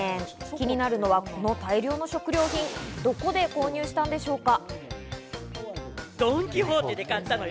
気になるのは、この大量の食料品、どこで購入したんでしょうか？